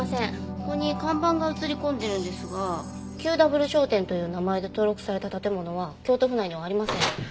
ここに看板が写り込んでるんですが「ＱＷ商店」という名前で登録された建物は京都府内にはありません。